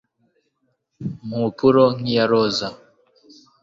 mpupuro nk'iya roza